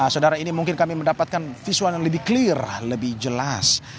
saudara ini mungkin kami mendapatkan visual yang lebih clear lebih jelas